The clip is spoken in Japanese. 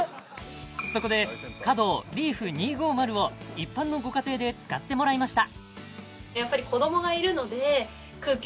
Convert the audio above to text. そこでｃａｄｏＬＥＡＦ２５０を一般のご家庭で使ってもらいました